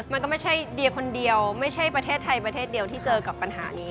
มันก็ไม่ใช่เดียคนเดียวไม่ใช่ประเทศไทยประเทศเดียวที่เจอกับปัญหานี้